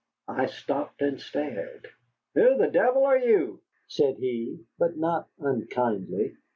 I stopped and stared. "Who the devil are you?" said he, but not unkindly.